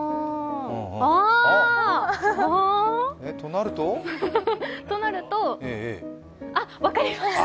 あーっ！となると、あ、分かりました。